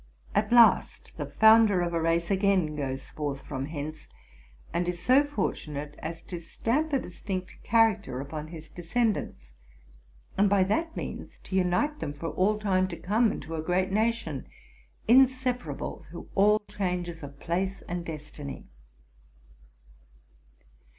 At last the founder of a race again goes forth from hence, and is so fortunate as to stamp a distinct char acter upon his descendants, and by that means to unite them for all time to come into a great nation, inseparable througl all changes of place or destiny.